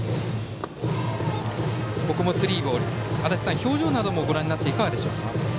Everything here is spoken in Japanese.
足達さん、表情などもご覧になっていかがでしょうか？